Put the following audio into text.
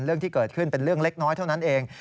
เรื่องที่เกิดขึ้นเป็นเรื่องเล็กน้อยเท่านั้นเอง